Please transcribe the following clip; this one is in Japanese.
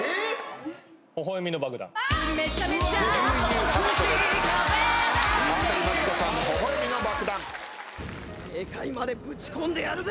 『微笑みの爆弾』「霊界までぶち込んでやるぜ」